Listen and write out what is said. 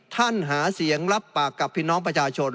หาเสียงรับปากกับพี่น้องประชาชน